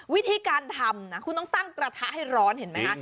วิธีการทำนะคุณต้องตั้งกระทะให้ร้อนเห็นไหมคะ